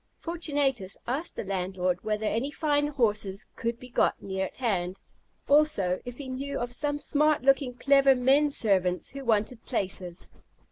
Fortunatus asked the landlord whether any fine horses could be got near at hand; also, if he knew of some smart looking, clever men servants who wanted places.